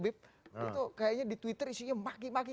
itu kayaknya di twitter isinya maki maki